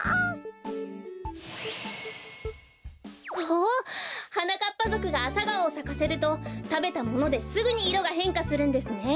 おおはなかっぱぞくがアサガオをさかせるとたべたものですぐにいろがへんかするんですね。